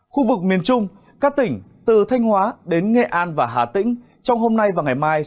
khu vực miền trung các tỉnh từ thanh hóa đến nghệ an và hà tĩnh trong hôm nay và ngày mai